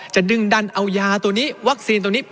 ดึงดันเอายาตัวนี้วัคซีนตัวนี้